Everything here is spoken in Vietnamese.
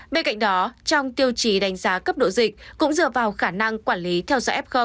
bên cạnh đó trong tiêu chí đánh giá cấp độ dịch cũng dựa vào khả năng quản lý theo dõi f